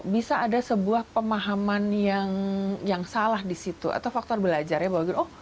bisa ada sebuah pemahaman yang salah di situ atau faktor belajarnya bahwa oh